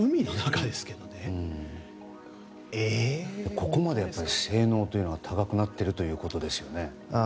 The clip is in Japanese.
ここまで性能というのは高くなっているということですよね？